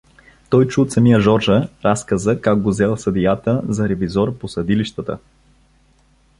Той чу от самия Жоржа разказа как го зел съдията за ревизор по съдилищата.